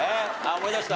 思い出した？